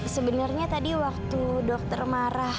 sebenarnya tadi waktu dokter marah